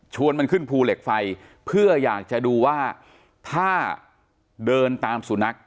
มันขึ้นภูเหล็กไฟเพื่ออยากจะดูว่าถ้าเดินตามสุนัข